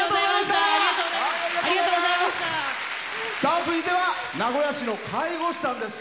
続いては名古屋市の介護士さんです。